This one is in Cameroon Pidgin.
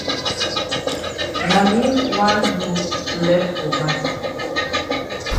Na me wan do lef for back.